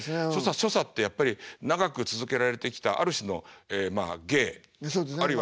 所作ってやっぱり長く続けられてきたある種の芸あるいは。